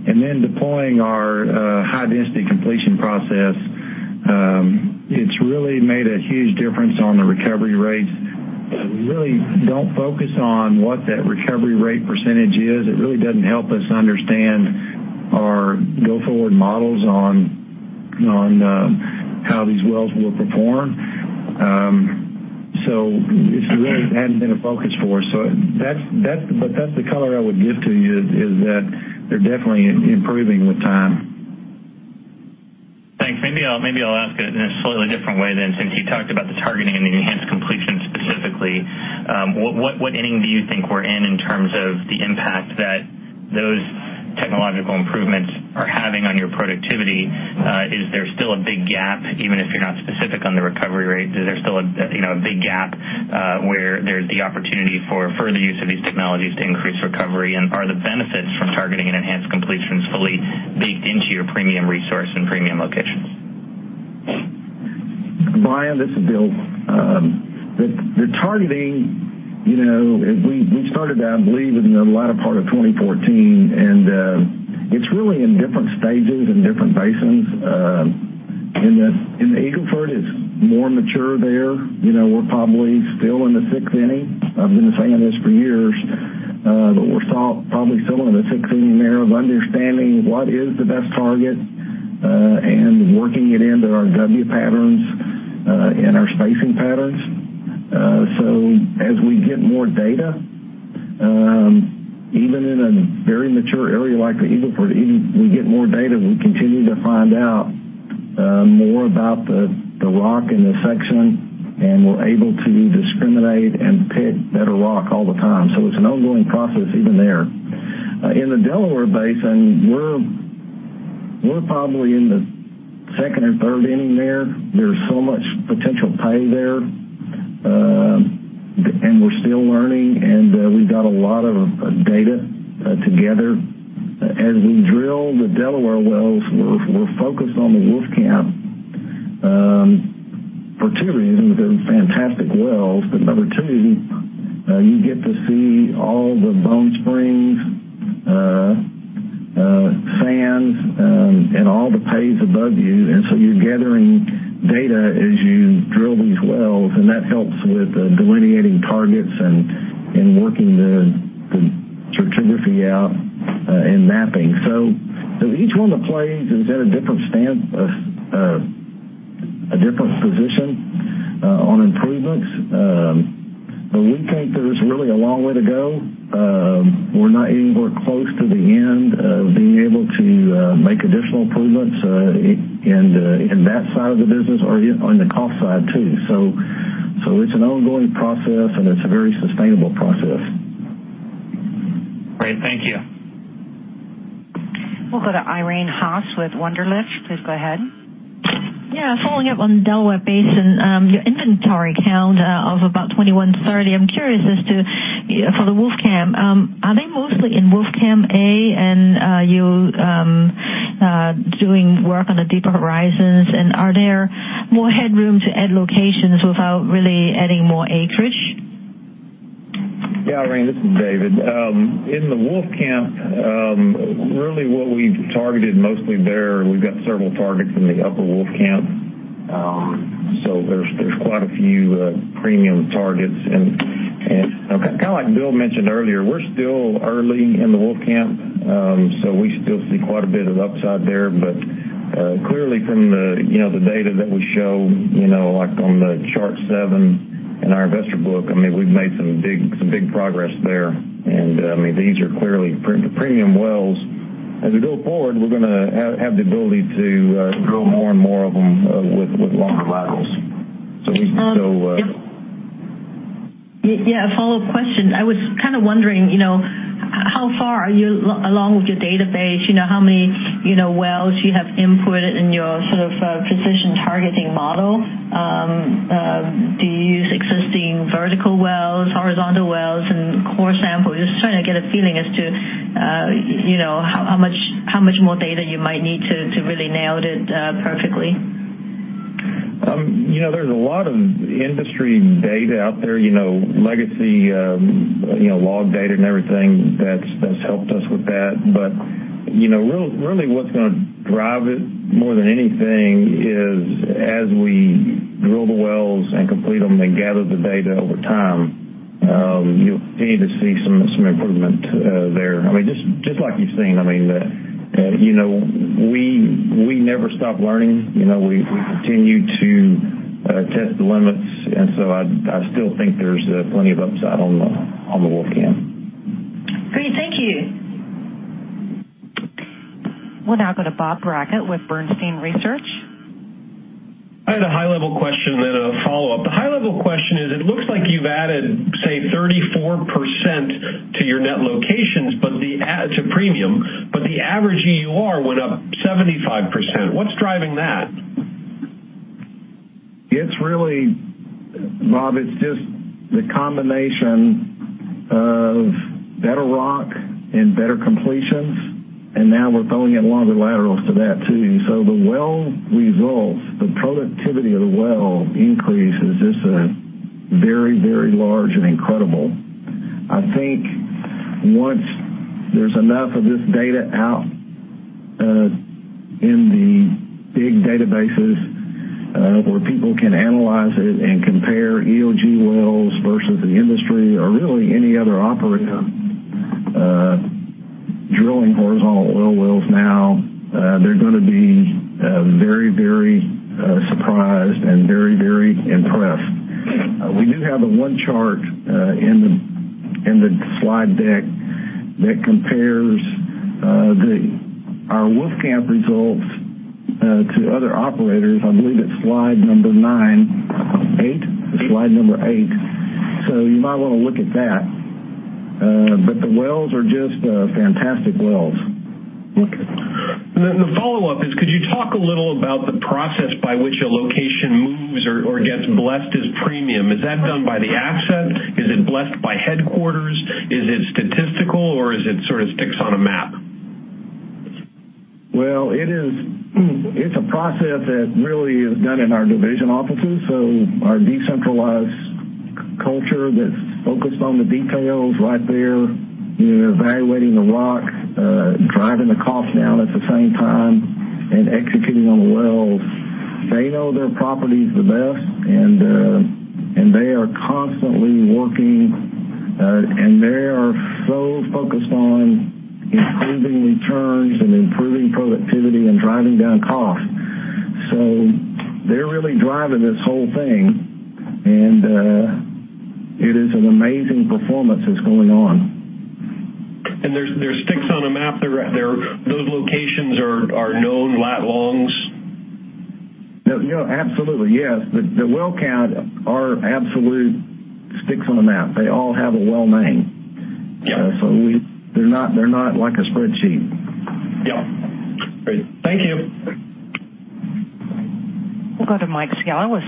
and then deploying our high-density completion process. It's really made a huge difference on the recovery rates. We really don't focus on what that recovery rate percentage is. It really doesn't help us understand our go-forward models on how these wells will perform. That's the color I would give to you, is that they're definitely improving with time. Thanks. Maybe I'll ask it in a slightly different way. Since you talked about the targeting and the enhanced completion specifically, what inning do you think we're in terms of the impact that those technological improvements are having on your productivity? Is there still a big gap, even if you're not specific on the recovery rate, is there still a big gap where there's the opportunity for further use of these technologies to increase recovery? Are the benefits from targeting and enhanced completions fully baked into your premium resource and premium locations? Brian, this is Bill. The targeting, we started that, I believe, in the latter part of 2014, and it's really in different stages in different basins. In the Eagle Ford, it's more mature there. We're probably still in the sixth inning. I've been saying this for years. We're still probably still in the sixth inning there of understanding what is the best target, and working it into our W patterns and our spacing patterns. As we get more data, even in a very mature area like the Eagle Ford, we get more data, we continue to find out more about the rock and the section, and we're able to discriminate and pick better rock all the time. It's an ongoing process even there. In the Delaware Basin, we're probably in the second or third inning there. There's so much potential pay there. We're still learning, we've got a lot of data together. As we drill the Delaware wells, we're focused on the Wolfcamp for 2 reasons. They're fantastic wells, number 2, you get to see all the Bone Springs sands and all the pays above you. You're gathering data as you drill these wells, and that helps with delineating targets and working the stratigraphy out and mapping. Each one of the plays is at a different stance, a different position on improvements. We think there's really a long way to go. We're not anywhere close to the end of being able to make additional improvements in that side of the business or on the cost side, too. It's an ongoing process, and it's a very sustainable process. Great. Thank you. We'll go to Irene Haas with Wunderlich. Please go ahead. Following up on the Delaware Basin. Your inventory count of about 2,130, I'm curious as to, for the Wolfcamp, are they mostly in Wolfcamp A, and you doing work on the deeper horizons, and are there more headroom to add locations without really adding more acreage? Irene, this is David. In the Wolfcamp, really what we've targeted mostly there, we've got several targets in the Upper Wolfcamp. There's quite a few premium targets. Kind of like Bill mentioned earlier, we're still early in the Wolfcamp, so we still see quite a bit of upside there. Clearly from the data that we show, like on the chart seven in our investor book, we've made some big progress there. These are clearly premium wells. As we go forward, we're going to have the ability to drill more and more of them with longer laterals. Yeah. A follow-up question. I was kind of wondering, how far are you along with your database? How many wells you have input in your sort of precision targeting model? Do you use existing vertical wells, horizontal wells, and core samples? Just trying to get a feeling as to how much more data you might need to really nail it perfectly. There's a lot of industry data out there, legacy log data and everything that's helped us with that. Really what's going to drive it more than anything is as we drill the wells and complete them and gather the data over time, you'll continue to see some improvement there. I mean, just like you've seen. We never stop learning. We continue to test the limits, and so I still think there's plenty of upside on the Wolfcamp. Great. Thank you. We'll now go to Bob Brackett with Bernstein Research. I had a high-level question, then a follow-up. The high-level question is, it looks like you've added, say, 34% to your net locations, it's a premium, but the average EUR went up 75%. What's driving that? It's really, Bob, it's just the combination of better rock and better completions, and now we're throwing in longer laterals to that too. The well results, the productivity of the well increase is just very, very large and incredible. I think once there's enough of this data out in the big databases where people can analyze it and compare EOG wells versus the industry or really any other operator drilling horizontal oil wells now, they're going to be very surprised and very impressed. We do have one chart in the slide deck that compares our Wolfcamp results to other operators. I believe it's slide number nine. Eight? Slide number eight. You might want to look at that. The wells are just fantastic wells. Okay. The follow-up is, could you talk a little about the process by which a location moves or gets blessed as premium? Is that done by the asset? Is it blessed by headquarters? Is it statistical, or is it sort of sticks on a map? Well, it's a process that really is done in our division offices. Our decentralized culture that's focused on the details right there, evaluating the rock, driving the cost down at the same time, and executing on the wells. They know their properties the best, and they are constantly working, and they are so focused on improving returns and improving productivity and driving down costs. They're really driving this whole thing, and it is an amazing performance that's going on. They're sticks on a map. Those locations are known lat longs? No, absolutely, yes. The well count are absolute sticks on a map. They all have a well name. Yeah. They're not like a spreadsheet. Yeah. Great. Thank you. We'll go to Mike Scialla with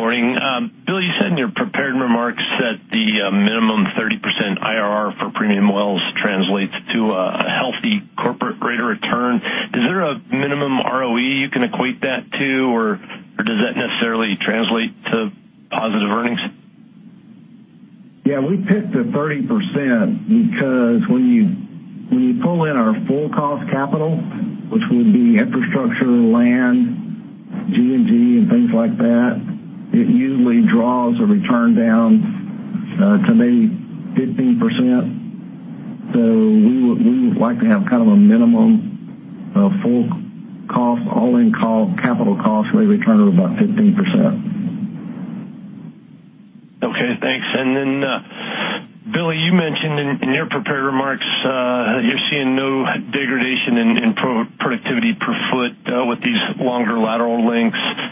Stifel. Hi, good morning. Billy, you said in your prepared remarks that the minimum 30% IRR for premium wells translates to a healthy corporate rate of return. Is there a minimum ROE you can equate that to, or does that necessarily translate to positive earnings? Yeah, we picked the 30% because when you pull in our full cost capital, which would be infrastructure, land, G&G, and things like that, it usually draws a return down to maybe 15%. We would like to have kind of a minimum of full cost, all-in capital cost with a return of about 15%. Okay, thanks. Billy, you mentioned in your prepared remarks you're seeing no degradation in productivity per foot with these longer lateral lengths.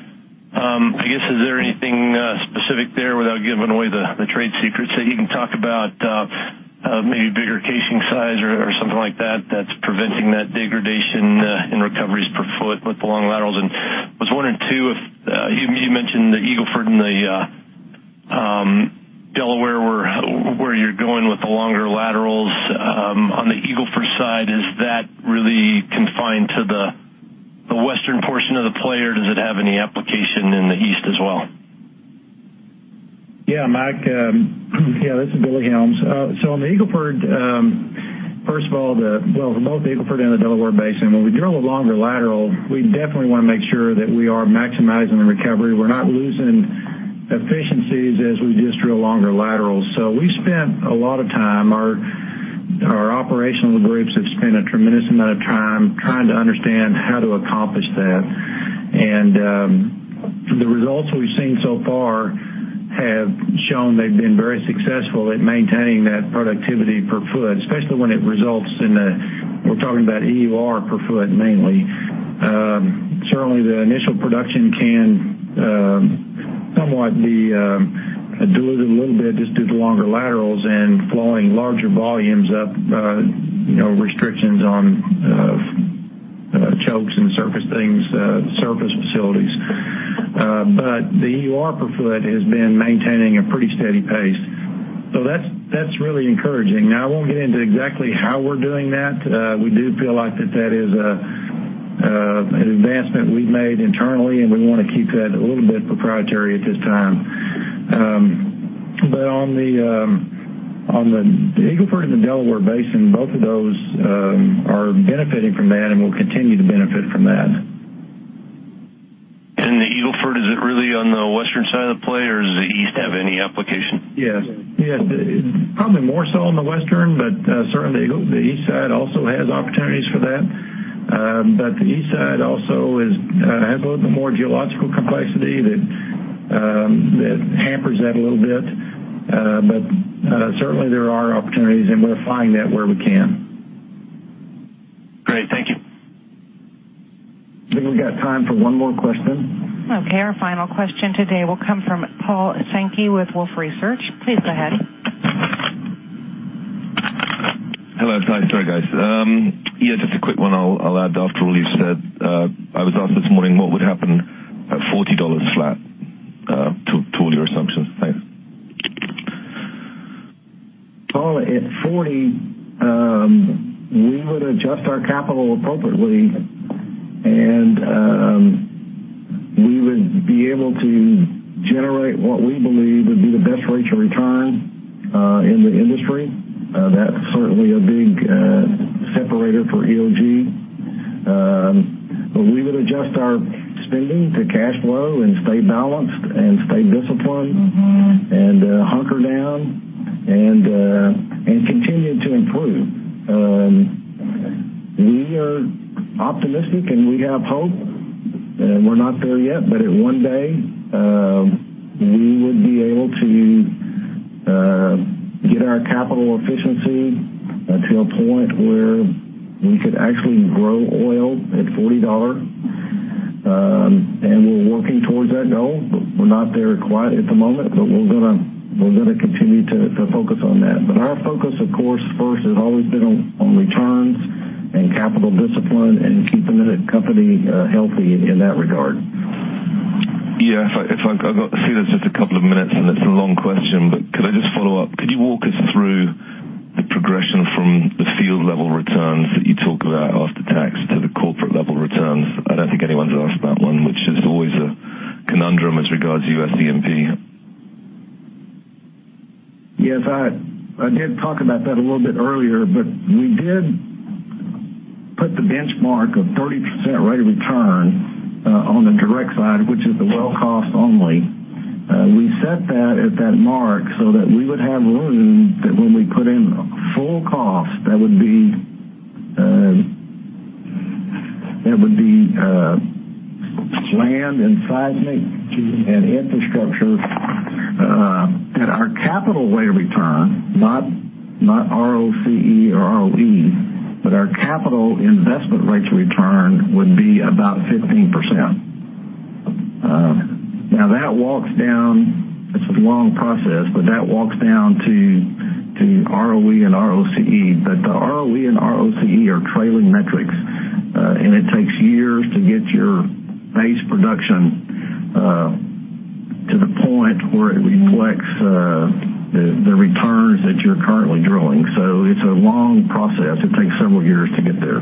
I guess, is there anything specific there, without giving away the trade secrets, that you can talk about maybe bigger casing size or something like that that's preventing that degradation in recoveries per foot with the long laterals? I was wondering too if you mentioned the Eagle Ford and the Delaware where you're going with the longer laterals. On the Eagle Ford side, is that really confined to the western portion of the play, or does it have any application in the east as well? Mike. This is Billy Helms. On the Eagle Ford, first of all, both the Eagle Ford and the Delaware Basin, when we drill a longer lateral, we definitely want to make sure that we are maximizing the recovery. We're not losing efficiencies as we just drill longer laterals. We spent a lot of time, our operational groups have spent a tremendous amount of time trying to understand how to accomplish that. The results we've seen so far have shown they've been very successful at maintaining that productivity per foot, especially when it results in we're talking about EUR per foot, mainly. Certainly, the initial production can somewhat be diluted a little bit just due to longer laterals and flowing larger volumes up, restrictions on chokes and surface things, surface facilities. The EUR per foot has been maintaining a pretty steady pace. That's really encouraging. Now, I won't get into exactly how we're doing that. We do feel like that is an advancement we've made internally, and we want to keep that a little bit proprietary at this time. On the Eagle Ford and the Delaware Basin, both of those are benefiting from that and will continue to benefit from that. In the Eagle Ford, is it really on the western side of the play, or does the east have any application? Yes. Probably more so on the Western, certainly, the East Side also has opportunities for that. The East Side also has a little bit more geological complexity that hampers that a little bit. Certainly, there are opportunities, and we're finding that where we can. Great. Thank you. I think we've got time for one more question. Okay. Our final question today will come from Paul Sankey with Wolfe Research. Please go ahead. Hello. Sorry, guys. Yeah, just a quick one I'll add after all you've said. I was asked this morning what would happen at $40 flat to all your assumptions. Thanks. Paul, at $40, we would adjust our capital appropriately, and we would be able to generate what we believe would be the best rates of return in the industry. That's certainly a big separator for EOG. We would adjust our spending to cash flow and stay balanced and stay disciplined and hunker down and continue to improve. We are optimistic, and we have hope, and we're not there yet, but one day, we would be able to get our capital efficiency to a point where we could actually grow oil at $40. We're working towards that goal, but we're not there quite at the moment, but we're going to continue to focus on that. Our focus, of course, first has always been on returns and capital discipline and keeping the company healthy in that regard. Yeah. I see there's just a couple of minutes, it's a long question, but could I just follow up? Could you walk us through the progression from the field-level returns that you talk about after tax to the corporate-level returns? I don't think anyone's asked that one, which is always a conundrum as regards US E&P. Yes. I did talk about that a little bit earlier, we did put the benchmark of 30% rate of return on the direct side, which is the well cost only. We set that at that mark so that we would have room that when we put in full cost, that would be land and seismic and infrastructure. Our capital rate of return, not ROCE or ROE, but our capital investment rates of return would be about 15%. Now, it's a long process, that walks down to ROE and ROCE, the ROE and ROCE are trailing metrics, and it takes years to get your base production to the point where it reflects the returns that you're currently drilling. It's a long process. It takes several years to get there.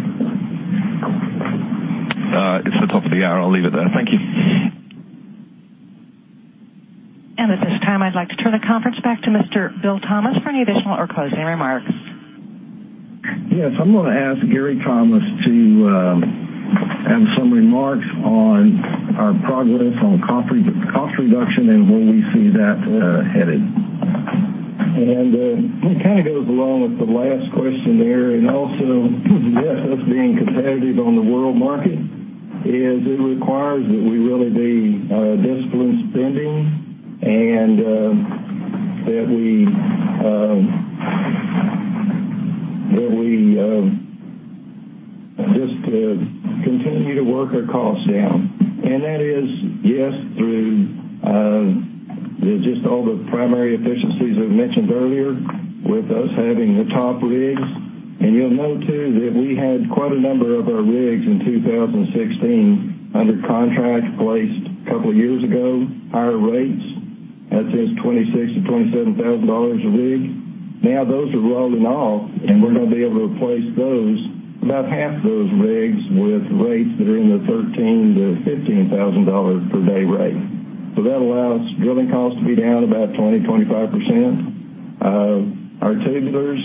It's the top of the hour. I'll leave it there. Thank you. At this time, I'd like to turn the conference back to Mr. Bill Thomas for any additional or closing remarks. Yes. I'm going to ask Gary Thomas to have some remarks on our progress on cost reduction and where we see that headed. It kind of goes along with the last question there, also, yes, us being competitive on the world market requires that we really be disciplined spending and that we just continue to work our costs down. That is, yes, through just all the primary efficiencies we've mentioned earlier with us having the top rigs. You'll note, too, that we had quite a number of our rigs in 2016 under contract placed a couple of years ago, higher rates. That's $26,000-$27,000 a rig. Now those are rolling off, and we're going to be able to replace those, about half those rigs with rates that are in the $13,000-$15,000 per day rate. So that allows drilling costs to be down about 20%-25%. Our tubulars,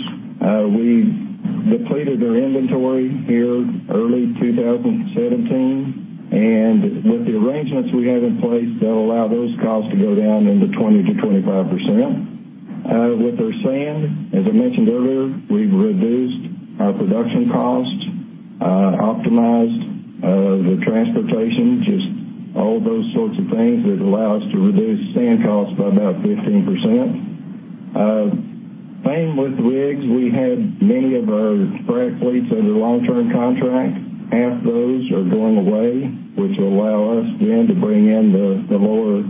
we depleted our inventory here early 2017. With the arrangements we have in place, that'll allow those costs to go down into 20%-25%. With our sand, as I mentioned earlier, we've reduced our production costs, optimized the transportation, just all those sorts of things that allow us to reduce sand costs by about 15%. Same with rigs. We had many of our frac fleets under long-term contract. Half those are going away, which will allow us, again, to bring in the lower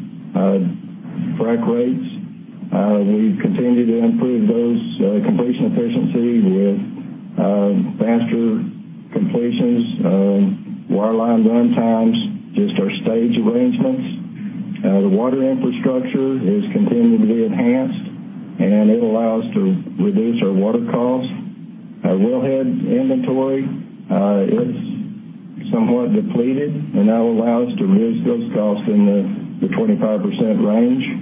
frac rates. We've continued to improve those completion efficiencies with faster completions, wireline run times, just our stage arrangements. The water infrastructure is continuing to be enhanced, and it allow us to reduce our water costs. Our wellhead inventory, it's somewhat depleted, and that will allow us to reduce those costs in the 25% range.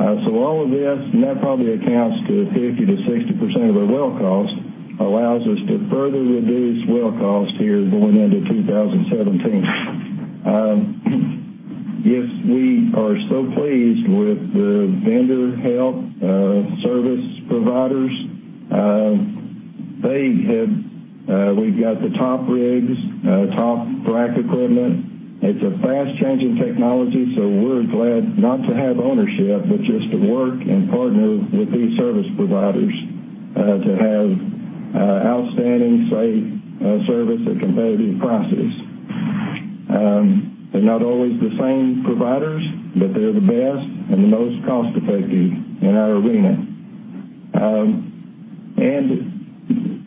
All of this, and that probably accounts to 50%-60% of our well cost, allows us to further reduce well cost here going into 2017. Yes, we are so pleased with the vendor help, service providers. We've got the top rigs, top frac equipment. It's a fast-changing technology, so we're glad not to have ownership, but just to work and partner with these service providers to have outstanding, safe service at competitive prices. They're not always the same providers, but they're the best and the most cost-effective in our arena.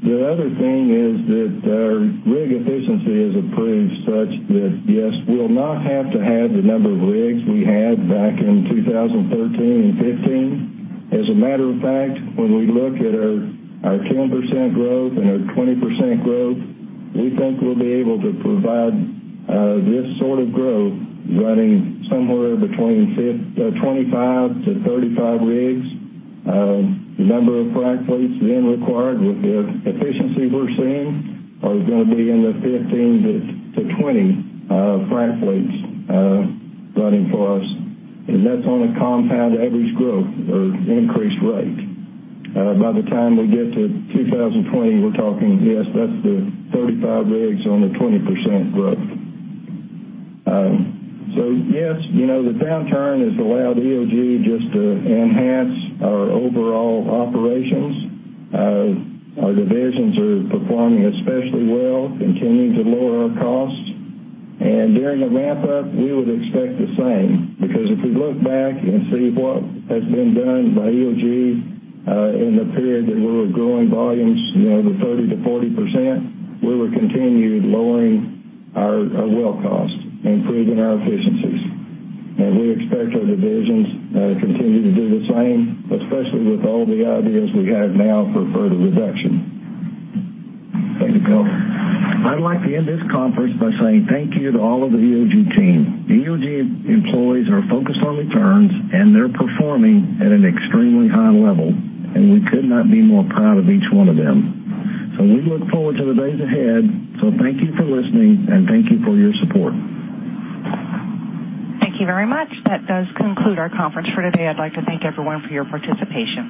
The other thing is that our rig efficiency has improved such that, yes, we'll not have to have the number of rigs we had back in 2013 and 2015. As a matter of fact, when we look at our 10% growth and our 20% growth, we think we'll be able to provide this sort of growth running somewhere between 25-35 rigs. The number of frac fleets then required with the efficiency we're seeing are going to be in the 15-20 frac fleets running for us, and that's on a compound average growth or increased rate. By the time we get to 2020, we're talking, yes, that's the 35 rigs on the 20% growth. Yes, the downturn has allowed EOG just to enhance our overall operations. Our divisions are performing especially well, continuing to lower our costs. During the ramp up, we would expect the same. If we look back and see what has been done by EOG in the period that we were growing volumes the 30%-40%, we were continued lowering our well cost, improving our efficiencies. We expect our divisions to continue to do the same, especially with all the ideas we have now for further reduction. Thank you, Cody. I'd like to end this conference by saying thank you to all of the EOG team. EOG employees are focused on returns, and they're performing at an extremely high level, and we could not be more proud of each one of them. We look forward to the days ahead. Thank you for listening, and thank you for your support. Thank you very much. That does conclude our conference for today. I'd like to thank everyone for your participation.